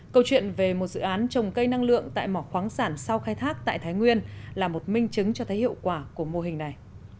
câu chuyện về một dự án trồng cây năng lượng tại mỏ khoáng sản sau khai thác tại thái nguyên là một minh chứng cho thấy hiệu quả của mô hình này